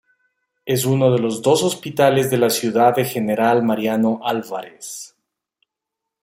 Es uno de los dos hospitales de la ciudad de General Mariano Álvarez.